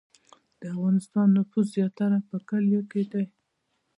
د افغانستان نفوس زیاتره په کلیو کې دی